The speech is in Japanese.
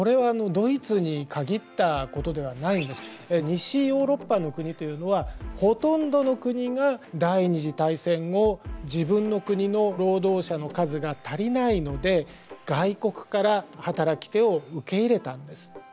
西ヨーロッパの国というのはほとんどの国が第２次大戦後自分の国の労働者の数が足りないので外国から働き手を受け入れたんです。